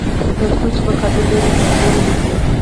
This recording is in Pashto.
تر څو چې مقابل لوری کمزوری نشي.